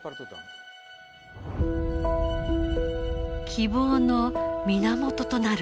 希望の源となる塔。